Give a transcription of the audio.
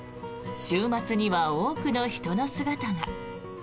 週末には多くの人の姿が。